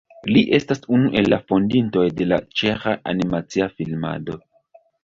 Li estas unu el la fondintoj de la ĉeĥa animacia filmado.